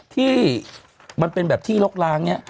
ที่มันเป็นแบบที่ลกล้างเนี่ย